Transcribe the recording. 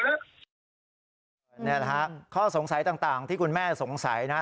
นี่แหละฮะข้อสงสัยต่างที่คุณแม่สงสัยนะ